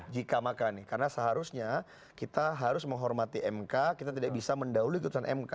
jika maka nih karena seharusnya kita harus menghormati mk kita tidak bisa mendahului putusan mk